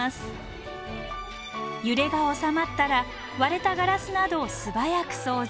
揺れが収まったら割れたガラスなどを素早く掃除。